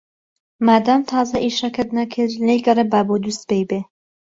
مادام تازە ئیشەکەت نەکرد، لێی گەڕێ با بۆ دووسبەی بێ.